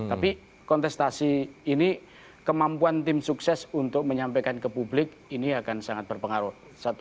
tapi kontestasi ini kemampuan tim sukses untuk menyampaikan ke publik ini akan sangat berpengaruh